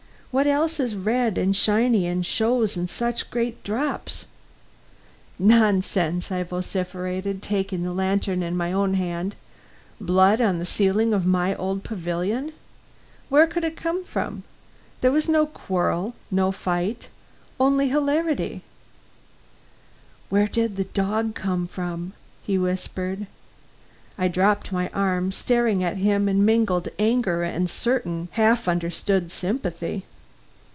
What else is red and shiny and shows in such great drops " "Nonsense!" I vociferated, taking the lantern in my own hand. "Blood on the ceiling of my old pavilion? Where could it come from? There was no quarrel, no fight; only hilarity " "Where did the dog come from?" he whispered. I dropped my arm, staring at him in mingled anger and a certain half understood sympathy.